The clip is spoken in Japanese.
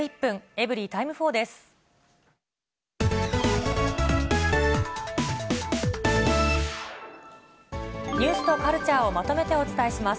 エブリィタイム４です。